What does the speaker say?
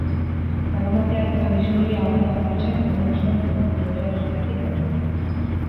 Larunbatean, abisu horia egongo da martxan egun osoan goizeko bederatzietatik aurrera.